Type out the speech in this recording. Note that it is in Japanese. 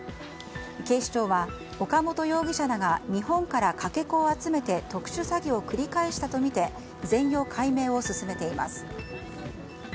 警視庁は、岡本容疑者らが日本から、かけ子を集めて特殊詐欺を繰り返したとみて全容解明を進めています。